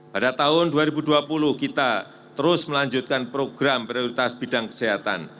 pada tahun dua ribu dua puluh kita terus melanjutkan program prioritas bidang kesehatan